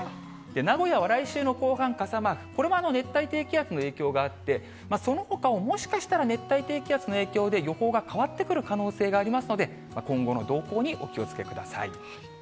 名古屋は来週の後半、傘マーク、これも熱帯低気圧の影響があって、そのほかも、もしかしたら熱帯低気圧の影響で予報が変わってくる可能性がありますので、今後の動向にお気をつけください。